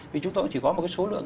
vì chúng tôi chỉ có một số lượng